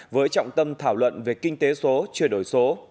với trọng tâm thảo luận về kinh tế số chuyển đổi số